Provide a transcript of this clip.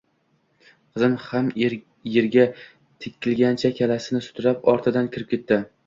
Qiz ham yerga tikilgancha, kalishini sudrab ortidan kirib ketdi